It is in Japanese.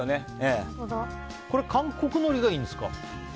韓国のりがいいんですか？